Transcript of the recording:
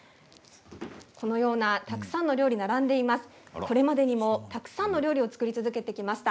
このようなたくさんの料理並んでいます。